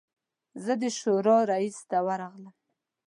زه د شورا رییس ته ورغلم.